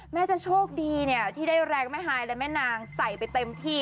แม่จะโชคดีเนี่ยที่ได้แรงแม่ฮายและแม่นางใส่ไปเต็มที่